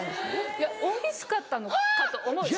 いやおいしかったのかと思うでしょ。